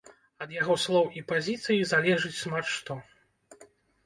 Ад яго слоў і пазіцыі залежыць шмат што.